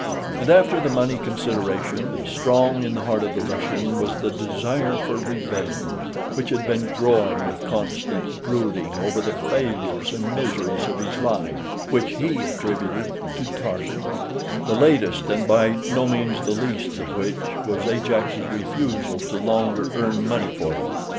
And after the money consideration, strong in the heart of the Russian was the desire for revenge, which had been growing with constant brooding over the failures and miseries of his life, which he attributed to Tarzan; the latest, and by no means the least, of which was Ajax's refusal to longer earn money for him.